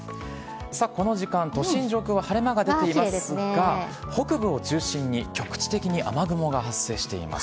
さあ、この時間、都心上空は晴れ間が出ていますが、北部を中心に局地的な雨雲が発生しています。